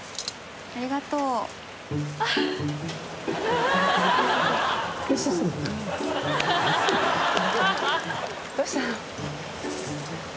ありがとうどうしたの？